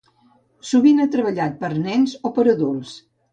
Sovint ha treballat per a nens o per a adults.